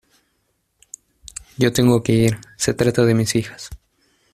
yo tengo que ir, se trata de mis hijas.